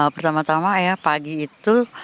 pertama tama ya pagi itu